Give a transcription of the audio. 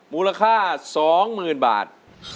มูลค่าสองหมื่นบาท